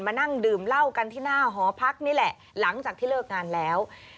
นั่งดื่มเหล้ากันที่หน้าหอพักนี่แหละหลังจากที่เลิกงานแล้ว